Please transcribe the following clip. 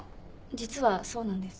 実はそうなんです。